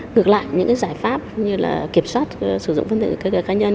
ngược lại những giải pháp như kiểm soát sử dụng phương tiện cơ giới cá nhân